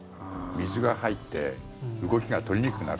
水が入って動きが取りにくくなる。